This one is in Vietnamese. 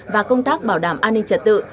và công tác bảo đảm an ninh trật tự